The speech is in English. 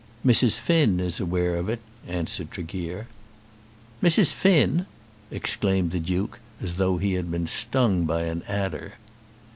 "Mrs. Finn is aware of it," answered Tregear. "Mrs. Finn!" exclaimed the Duke, as though he had been stung by an adder.